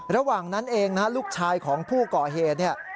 ระหว่างนั้นเองนะฮะลูกชายของผู้ก่อเหตุเนี่ย